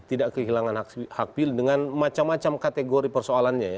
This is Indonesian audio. tidak kehilangan hak pilih dengan macam macam kategori persoalannya ya